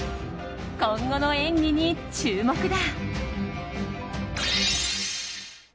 今後の演技に注目だ。